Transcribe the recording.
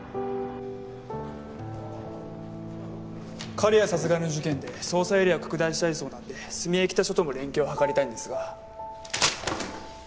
刈谷殺害の事件で捜査エリアを拡大したいそうなんで角江北署とも連携を図りたいんですが。